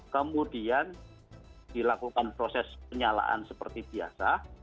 kemudian dilakukan proses penyalaan seperti biasa